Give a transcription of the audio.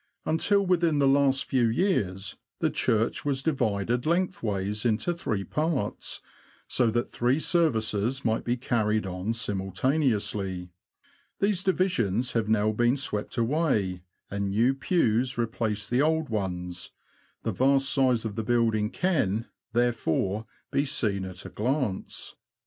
Until within the last few years the church was divided lengthways into three parts, so that three services might be carried on simultaneously. These divisions have now been swept away, and new pews replace the old ones ; the vast size of the building can, there fore, be seen at a glance.